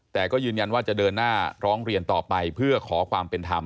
แต่ก็ยืนยันว่าจะเดินหน้าร้องเรียนต่อไปเพื่อขอความเป็นธรรม